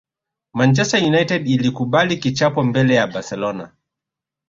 Manchester United ilikubali kichapo mbele ya barcelona